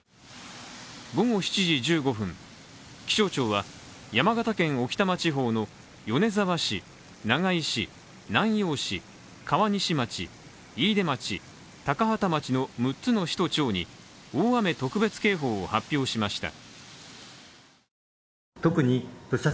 午後７時１５分、気象庁は山形県置賜地方の米沢市、長井市、南陽市川西町、飯豊町、高畠町の６つの市と町に大雨特別警報を発表しました。